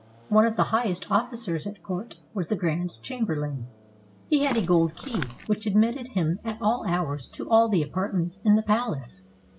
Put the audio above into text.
One of the highest officers at court was the grand chamberlain. He had a gold key, which admitted him at all hours to all the apartments in the palace.